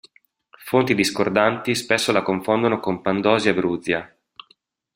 Fonti discordanti spesso la confondono con Pandosia Bruzia.